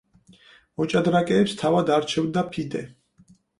მოჭადრაკეებს თავად არჩევდა ფიდე.